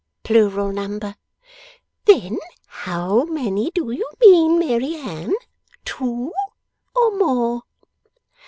'Plural number.' 'Then how many do you mean, Mary Anne? Two? Or more?